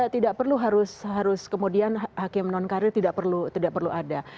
tidak perlu harus kemudian hakim non karir tidak perlu ada